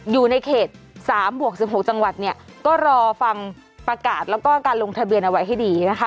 อยู่ในเขต๓บวก๑๖จังหวัดเนี่ยก็รอฟังประกาศแล้วก็การลงทะเบียนเอาไว้ให้ดีนะคะ